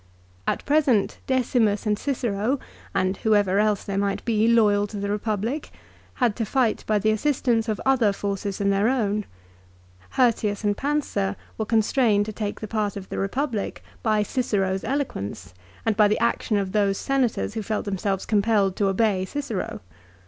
At present Decimus and Cicero, and whoever else there might be loyal to the Eepublic, had to fight by the assistance of other forces than their own. Hirtius and Pansa were constrained to take the part of the Eepublic by Cicero's eloquence, and by the action of those Senators who felt them selves compelled to obey Cicero.